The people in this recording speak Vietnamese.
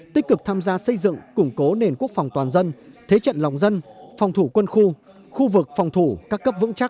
tích cực tham gia xây dựng củng cố nền quốc phòng toàn dân thế trận lòng dân phòng thủ quân khu khu vực phòng thủ các cấp vững chắc